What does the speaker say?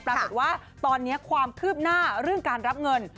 ปรากฏว่าตอนนี้ความคืบหน้าเรื่องการรับเงิน